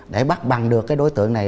để bắt bằng được cái đối tượng này